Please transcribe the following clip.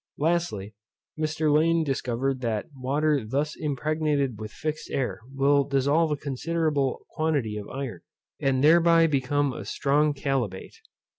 Lastly, Mr. Lane discovered that water thus impregnated with fixed air will dissolve a considerable quantity of iron, and thereby become a strong chalybeate.